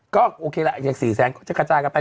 ก็โอเคแหละ๔๐๐๐๐๐ก็จะกระจายกันไป